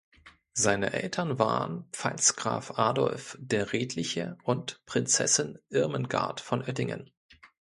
Seine Eltern waren Pfalzgraf Adolf der Redliche und Prinzessin Irmengard von Oettingen.